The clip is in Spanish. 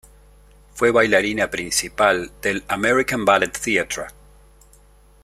Fue bailarina principal del American Ballet Theatre.